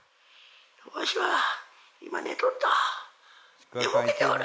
「わしは今寝とった」